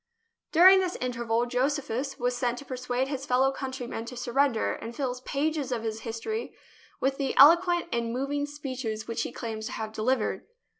During this interval Josephus was sent to persuade his fellow country men to surrender, and fills pages of his history with the eloquent and moving speeches which he claims to have delivered.